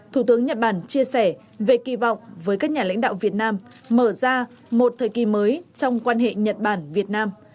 thủ tướng nhật bản chia sẻ về kỳ vọng với các nhà lãnh đạo việt nam mở ra một thời kỳ mới trong quan hệ nhật bản việt nam